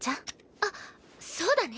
あっそうだね。